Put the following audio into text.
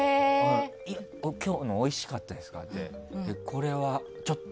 今日のおいしかったですか？